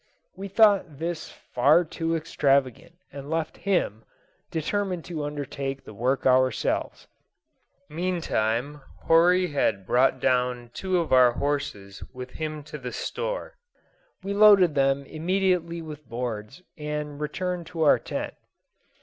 We thought this by far too extravagant, and left him, determined to undertake the work ourselves. Meantime, Horry had brought down two of our horses with him to the store. We loaded them immediately with boards, and returned to our tent.